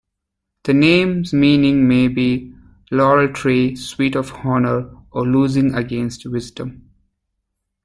The name's meaning may be "laurel tree," "sweet of honor," or "losing against wisdom.